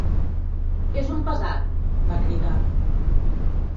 “És un pesat!”, va cridar.